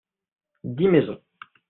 dix maisons.